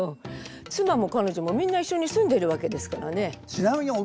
妻も彼女もみんな一緒に住んでるわけですからね。